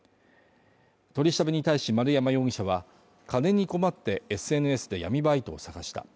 取り調べに対し丸山容疑者は金に困って、ＳＮＳで闇バイトを探した。